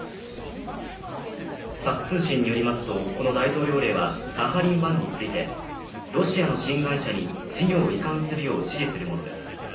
タス通信によりますとこの大統領令はサハリン１について、ロシアの新会社に事業を移管するよう指示するものです。